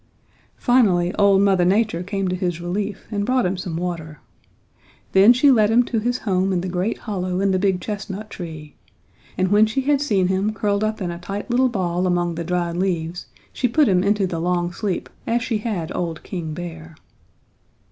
"Finally old Mother Nature came to his relief and brought him some water. Then she led him to his home in the great hollow in the big chestnut tree, and when she had seen him curled up in a tight little ball among the dried leaves she put him into the long sleep as she had old King Bear.